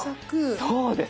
そうです！